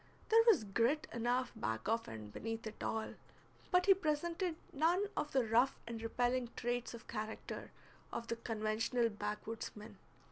There was grit enough back of and beneath it all, but he presented none of the rough and repelling traits of character of the conventional backwoods man.